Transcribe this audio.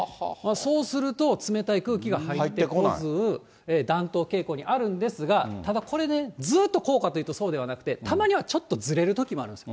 そうすると、冷たい空気が入ってこず、暖冬傾向にあるんですが、ただこれね、ずっとこうかというとそうではなくて、たまにはちょっとずれるときもあるんです。